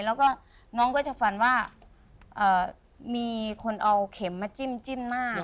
แล้วก็น้องก็จะฝันว่ามีคนเอาเข็มมาจิ้มหน้า